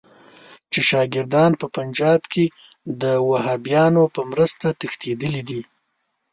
چې شاګردان په پنجاب کې د وهابیانو په مرسته تښتېدلي دي.